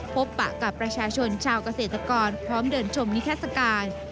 พบปะกับประชาชนชาวกเศรษฐกรพร้อมเดินชมนิทราบการณ์